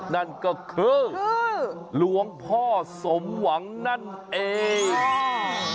นั่นก็คือหลวงพ่อสมหวังนั่นเองค่ะ